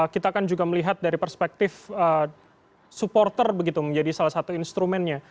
kita akan juga melihat dari perspektif supporter begitu menjadi salah satu instrumennya